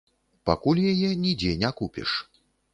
Пакуль яе нідзе не купіш.